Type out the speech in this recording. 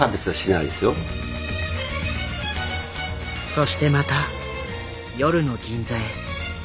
そしてまた夜の銀座へ。